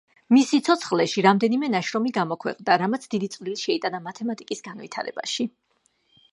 მის სიცოცხლეში რამდენიმე ნაშრომი გამოქვეყნდა, რამაც დიდი წვრილი შეიტანა მათემატიკის განვითარებაში.